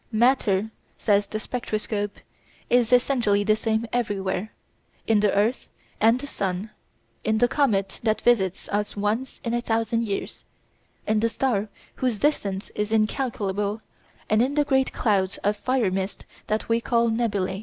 Matter, says the spectroscope, is essentially the same everywhere, in the earth and the sun, in the comet that visits us once in a thousand years, in the star whose distance is incalculable, and in the great clouds of "fire mist" that we call nebulæ.